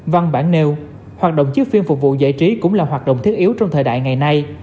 văn bản nêu hoạt động chiếc phim phục vụ giải trí cũng là hoạt động thiết yếu trong thời đại ngày nay